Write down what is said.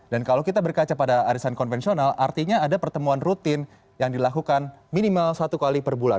dan kalau kita berkaca pada alisan konvensional artinya ada pertemuan rutin yang dilakukan minimal satu kali per bulan